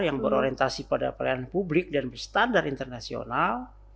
yang berorientasi pada pelayanan publik dan berstandar internasional